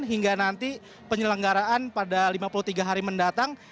hingga nanti penyelenggaraan pada lima puluh tiga hari mendatang